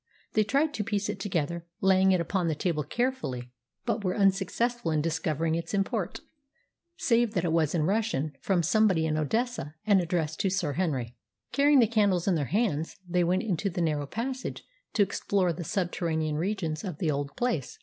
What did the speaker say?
They tried to piece it together, laying it upon the table carefully, but were unsuccessful in discovering its import, save that it was in Russian, from somebody in Odessa, and addressed to Sir Henry. Carrying the candles in their hands, they went into the narrow passage to explore the subterranean regions of the old place.